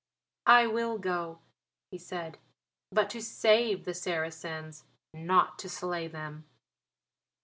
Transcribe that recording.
"I will go," he said, "but to save the Saracens, not to slay them."